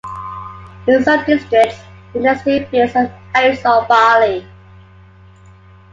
In some districts they nest in fields of oats or barley.